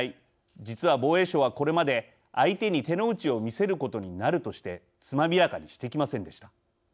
実は防衛省はこれまで相手に手の内を見せることになるとしてつまびらかにしてきませんでした。